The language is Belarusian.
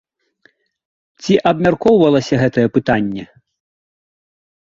Ці абмяркоўвалася гэтае пытанне?